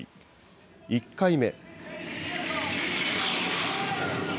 １回目。